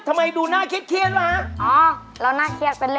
ทำไมมาช้าอ๊ะไม่ได้มาเลย